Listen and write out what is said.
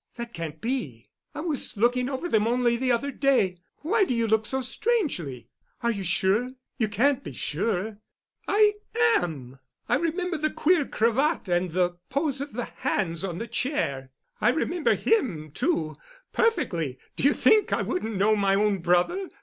"That can't be." "I was looking over them only the other day—why do you look so strangely?" "Are you sure? You can't be sure——" "I am. I remember the queer cravat and the pose of the hands on the chair. I remember him, too—perfectly. Do you think I wouldn't know my own brother?"